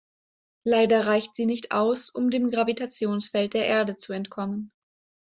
Leider reicht sie nicht aus, um dem Gravitationsfeld der Erde zu entkommen.